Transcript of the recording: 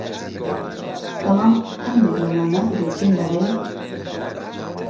بەڵام هەندێک لەوانە بریتین لەوەی